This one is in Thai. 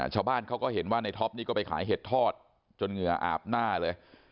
ชาวบ้านเขาก็เห็นว่าในท็อปนี่ก็ไปขายเห็ดทอดจนเหงื่ออาบหน้าเลย